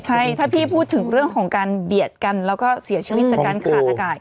ใช่ถ้าพี่พูดถึงเรื่องของการเบียดกันแล้วก็เสียชีวิตจากการขาดอากาศ